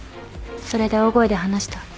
それで大声で話した。